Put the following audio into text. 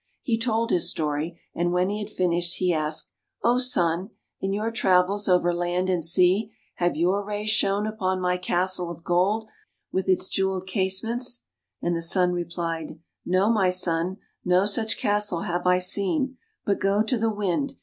He told his story, and when he had fin ished, he asked, " Oh, Sun, in your travels over land and sea, have your rays shone upon my castle of gold, with its jeweled casements? " And the Sun replied, " No, my son, no such castle have I seen. But go to the Wind.